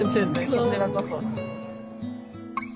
こちらこそ。